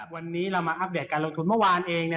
วันนี้เรามาอัปเดตการลงทุนเมื่อวานเองเนี่ย